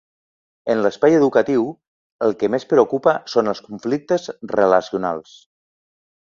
En l'espai educatiu el que més preocupa són els conflictes relacionals.